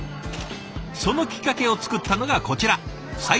そのきっかけを作ったのがこちら齋藤さん。